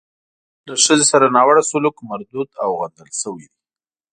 له ښځې سره ناوړه سلوک مردود او غندل شوی دی.